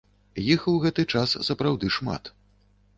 Іх у гэты час сапраўды шмат.